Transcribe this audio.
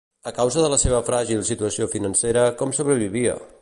A causa de la seva fràgil situació financera, com sobrevivia?